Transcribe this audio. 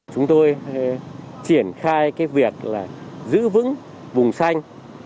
chúng tôi triển khai việc giữ vững vùng xanh